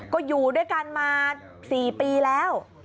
ก็อยู่ด้วยกันมา๔ปีแล้ว